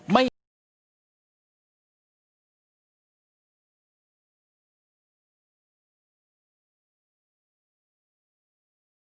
หาอยู่สามชั่วโมง